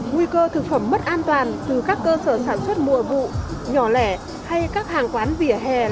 nguy cơ thực phẩm mất an toàn từ các cơ sở sản xuất mùa vụ nhỏ lẻ hay các hàng quán vỉa hè là rất lớn